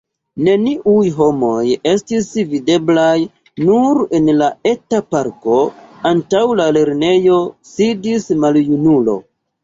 Neniuj homoj estis videblaj, nur en la eta parko, antaŭ la lernejo, sidis maljunulo.